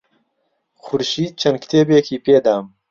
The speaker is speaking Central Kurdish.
خورشید چەند کتێبێکی پێدام.